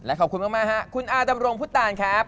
และขอบคุณมากคุณอาดำรงพุธต่านครับ